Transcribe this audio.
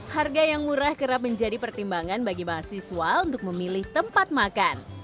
harga yang murah kerap menjadi pertimbangan bagi mahasiswa untuk memilih tempat makan